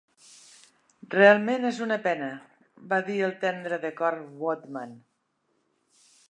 Realment és una pena! va dir el tendre de cor Woodman.